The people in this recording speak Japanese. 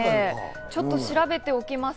ちょっと調べておきます。